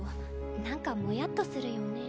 なんかもやっとするよね。